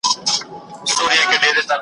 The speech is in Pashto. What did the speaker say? د حاكم له لاسه مېنه سپېره كېږي .